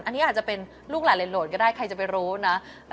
อันนี้อาจจะเป็นลูกหลานโหลดก็ได้ใครจะไปรู้นะ